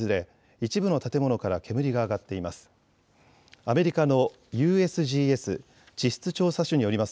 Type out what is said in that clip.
一部の建物から煙が上がっています。